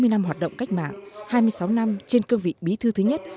ba mươi năm hoạt động cách mạng hai mươi sáu năm trên cương vị bí thư thứ nhất